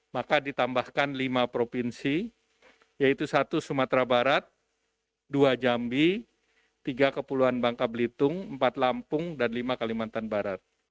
maka ditambahkan lima provinsi yaitu satu sumatera barat dua jambi tiga kepulauan bangka belitung empat lampung dan lima kalimantan barat